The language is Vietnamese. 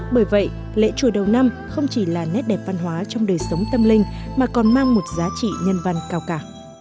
bởi vậy lễ chùa đầu năm không chỉ là nét đẹp văn hóa trong đời sống tâm linh mà còn mang một giá trị nhân văn cao cả